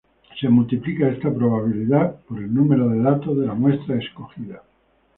Se multiplica esta probabilidad por el número de datos de la muestra escogida.